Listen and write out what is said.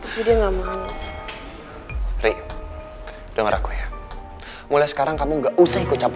tapi dia enggak mau